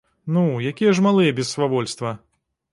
Ну, якія ж малыя без свавольства!